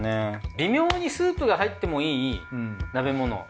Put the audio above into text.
微妙にスープが入ってもいい鍋物。